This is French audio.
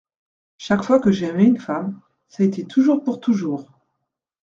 Chaque fois que j’ai aimé une femme, ç’a été toujours pour toujours !